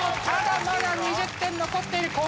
ただまだ２０点残っている。